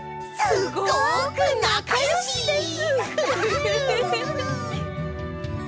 すごくなかよしです！